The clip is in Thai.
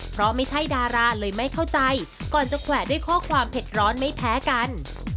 เพราะไม่ใช่ดาราเลยไม่เข้าใจก่อนจะแขวะด้วยข้อความเผ็ดร้อนไม่แพ้กัน